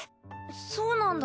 そうなんだ。